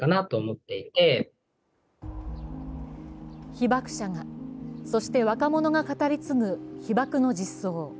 被爆者が、そして若者が語り継ぐ被爆の実相。